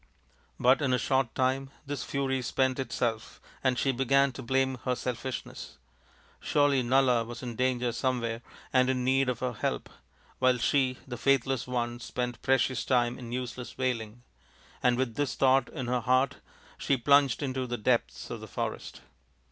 But in a short time this fury spent itself and she began to blame her selfishness. Surely Nala was in danger somewhere and in need of her help while she, the faithless one, spent precious time in useless wailing ; and with this thought in her heart she plunged into the depths of the forest.